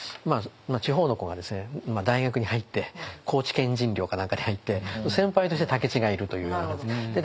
地方の子が大学に入って高知県人寮か何かに入って先輩として武市がいるというようなことで。